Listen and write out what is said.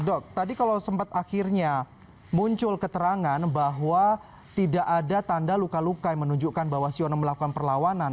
dok tadi kalau sempat akhirnya muncul keterangan bahwa tidak ada tanda luka luka yang menunjukkan bahwa siono melakukan perlawanan